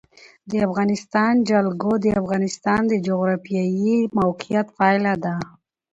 د افغانستان جلکو د افغانستان د جغرافیایي موقیعت پایله ده.